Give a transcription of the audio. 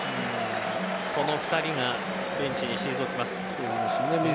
この２人がベンチに退きます。